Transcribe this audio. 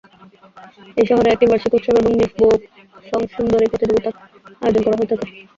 এই শহরে একটি বার্ষিক উৎসব এবং মিস বো সং সুন্দরী প্রতিযোগিতার আয়োজন করা হয়ে থাকে।